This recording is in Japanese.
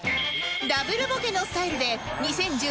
ダブルボケのスタイルで２０１０年